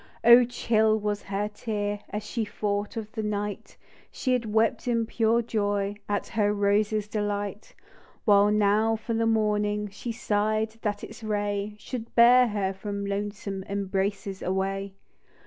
Oh ! chill was her tear, As she thought of the night She had wept in pure joy At her rose's delight ; While now for the morning She sigh'd ;— that its ray Should bear her from loathsome Embraces awav.